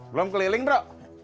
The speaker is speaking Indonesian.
belum keliling bro